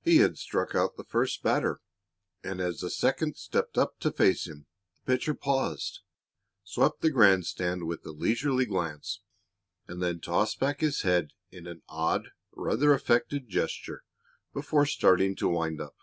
He had struck out the first batter, and as the second stepped up to face him the pitcher paused, swept the grand stand with a leisurely glance, and then tossed back his head in an odd, rather affected gesture before starting to wind up.